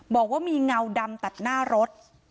บอกว่ามีเงาดำตัดหน้ารถ